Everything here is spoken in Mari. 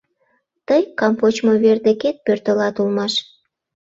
Тый камвочмо вер декет пӧртылат улмаш...